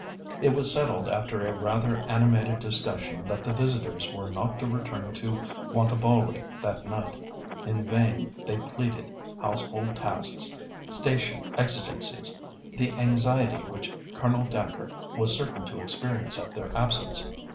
It was settled after a rather animated discussion that the visitors were not to return to Wantabalree that night. In vain they pleaded household tasks, station exigencies, the anxiety which Colonel Dacre was certain to experience at their absence.